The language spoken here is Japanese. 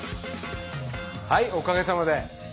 はいおかげさまで。